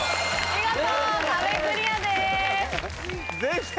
見事壁クリアです。